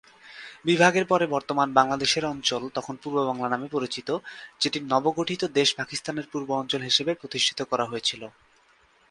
বিভাগের পরে বর্তমান বাংলাদেশের অঞ্চল তখন পূর্ব বাংলা নামে পরিচিত, যেটি নবগঠিত দেশ পাকিস্তানের পূর্ব অঞ্চল হিসেবে প্রতিষ্ঠিত করা হয়েছিল।